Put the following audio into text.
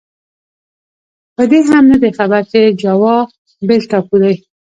په دې هم نه دی خبر چې جاوا بېل ټاپو دی.